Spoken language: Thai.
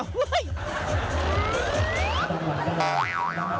เฮ้ยยยยย